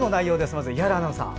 まず伊原アナウンサー。